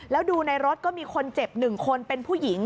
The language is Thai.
แล้วดูในรถก็มีคนเจ็บ๑คนเป็นผู้หญิง